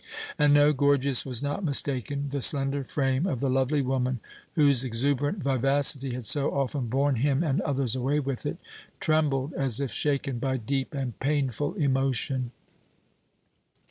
And no, Gorgias was not mistaken the slender frame of the lovely woman, whose exuberant vivacity had so often borne him and others away with it, trembled as if shaken by deep and painful emotion.